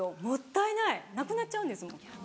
もったいないなくなっちゃうんですもん。